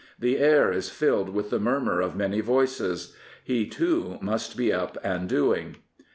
The air is filled with the murmur of many voices. He, too, must be up and doing.